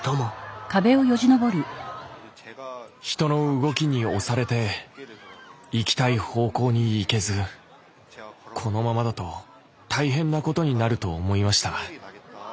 人の動きに押されて行きたい方向に行けずこのままだと大変なことになると思いました。